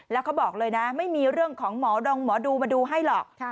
แล้วเขาบอกเลยนะไม่มีเรื่องของหมอดงหมอดูมาดูให้หรอก